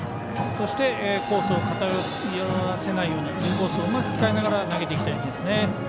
コースを偏らせないようにインコースをうまく使いながら投げていきたいですね。